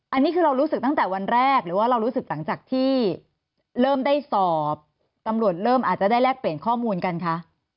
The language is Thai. อันนี้คือเรารู้สึกตั้งแต่วันแรกหรือว่าเรารู้สึกหลังจากที่เริ่มได้สอบตำรวจเริ่มอาจจะได้แลกเปลี่ยนข้อมูลกันคะ